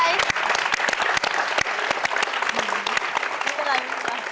ไม่เป็นไร